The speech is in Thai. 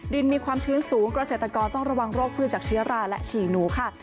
มีความชื้นสูงเกษตรกรต้องระวังโรคพืชจากเชื้อราและฉี่หนูค่ะ